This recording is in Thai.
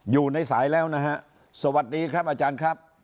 อยู่ในสายแล้วนะฮะสวัสดีครับอาจารย์ครับ